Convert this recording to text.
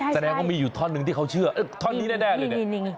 แสดงว่ามีอยู่ท่อนหนึ่งที่เขาเชื่อท่อนนี้แน่เลยเนี่ย